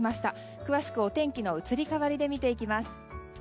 詳しくお天気の移り変わりで見ていきます。